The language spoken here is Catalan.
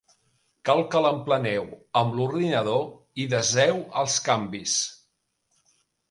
Cal que l'empleneu amb l'ordinador i deseu els canvis.